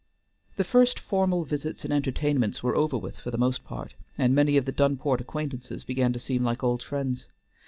The first formal visits and entertainments were over with for the most part, and many of the Dunport acquaintances began to seem like old friends.